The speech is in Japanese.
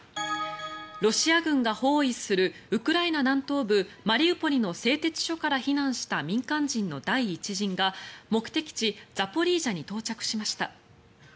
ロシア軍が包囲するウクライナ南東部マリウポリの製鉄所から避難した民間人の第１陣が目的地、ザポリージャに到着しました。